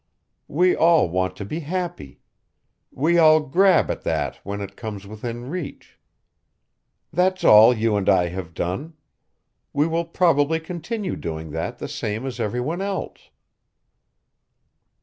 We all want to be happy. We all grab at that when it comes within reach. That's all you and I have done. We will probably continue doing that the same as every one else."